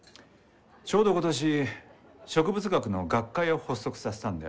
ちょうど今年植物学の学会を発足させたんだよ。